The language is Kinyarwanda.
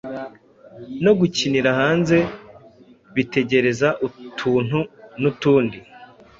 no gukinira hanze bitegereza utuntu n’utundi.